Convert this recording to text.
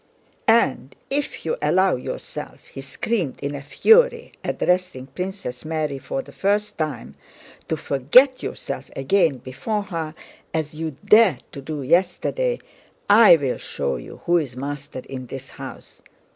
"And if you allow yourself," he screamed in a fury, addressing Princess Mary for the first time, "to forget yourself again before her as you dared to do yesterday, I will show you who is master in this house.